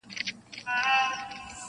زوی یې وویل چټک نه سمه تللای,